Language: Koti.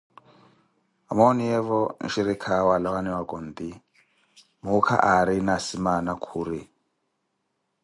Amooniyeevo nxhirikhawe alawaka onti, muukha aarina asimaana khuri.